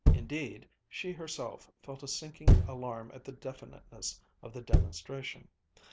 Indeed, she herself felt a sinking alarm at the definiteness of the demonstration.